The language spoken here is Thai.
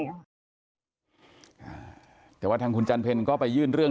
อ่าแต่ว่าทางคุณจันเพลก็ไปยื่นเรื่อง